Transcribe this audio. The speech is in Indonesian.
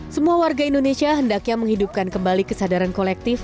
semua warga indonesia hendaknya menghidupkan kembali kesadaran kolektif